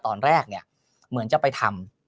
ตอนแรกเนี่ยเหมือนจะไปทำ